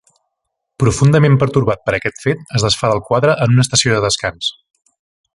Profundament pertorbat per aquest fet, es desfà del quadre en una estació de descans.